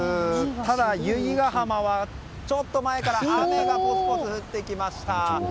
ただ、由比ガ浜はちょっと前から雨がぽつぽつ降ってきました。